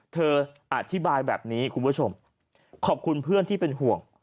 เธออธิบายแบบนี้คุณผู้ชมขอบคุณเพื่อนที่เป็นห่วง